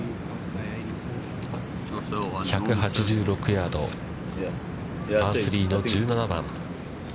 １８６ヤードパー３の１７番。